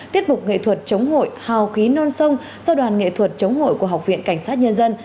tiết mục nghệ thuật chống hội hào khí non sông do đoàn nghệ thuật chống hội của học viện cảnh sát nhân dân